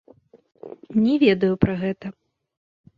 Не ведаю пра гэта.